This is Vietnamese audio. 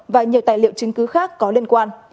và nhiều tài liệu chứng cứ khác có liên quan